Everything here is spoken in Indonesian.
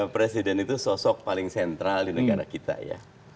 presiden itu sosok paling sentral di negara kita ya